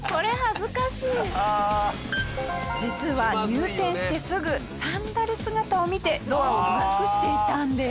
実は入店してすぐサンダル姿を見てドアをロックしていたんです。